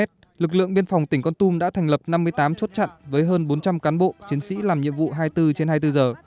lực lượng biên phòng tỉnh con tum đã thành lập năm mươi tám chốt chặn với hơn bốn trăm linh cán bộ chiến sĩ làm nhiệm vụ hai mươi bốn trên hai mươi bốn giờ